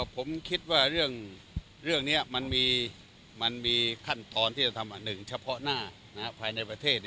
ผมคิดว่าเรื่องนี้มันมีขั้นตอนที่จะทำอันหนึ่งเฉพาะหน้าภายในประเทศ